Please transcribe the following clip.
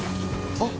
・あっ！！